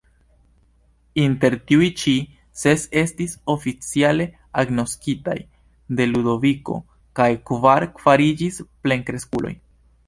Inter tiuj ĉi, ses estis oficiale agnoskitaj de Ludoviko kaj kvar fariĝis plenkreskuloj.